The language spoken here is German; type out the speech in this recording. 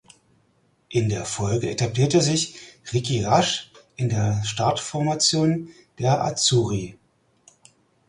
In der Folge etablierte sich Ricci rasch in der Startformation der "Azzurri".